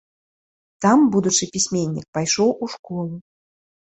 Там будучы пісьменнік пайшоў у школу.